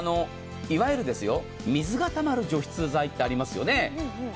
いわゆる水がたまる除湿剤ってありますよね。